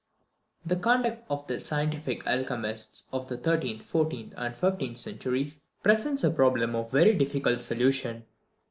The conduct of the scientific alchemists of the thirteenth, fourteenth, and fifteenth centuries presents a problem of very difficult solution.